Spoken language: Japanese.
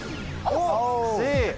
Ｃ。